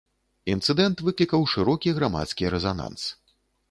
Інцыдэнт выклікаў шырокі грамадскі рэзананс.